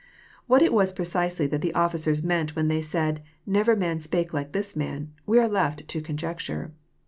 What it was precisely that the officers meant when they said << Never man spake like this man," we are left to conjecture.